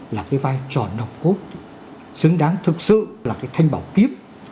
là cái vai trò nồng cốt xứng đáng thực sự là cái thanh bảo kiếp